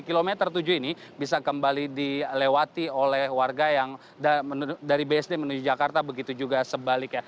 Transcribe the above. kilometer tujuh ini bisa kembali dilewati oleh warga yang dari bsd menuju jakarta begitu juga sebaliknya